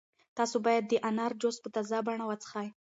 تاسو باید د انار جوس په تازه بڼه وڅښئ.